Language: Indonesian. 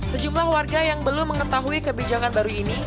sejumlah warga yang belum mengetahui kebijakan baru ini